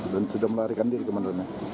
dan sudah melarikan diri kemana mana